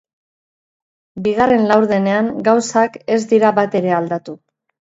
Bigarren laurdenean gauzak ez dira batere aldatu.